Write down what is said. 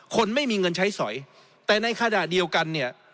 คนไม่มีเงินใช้สอยแต่ในขณะเดียวกันเนี่ย